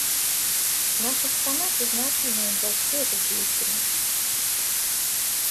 Наша страна признательна им за всю эту деятельность.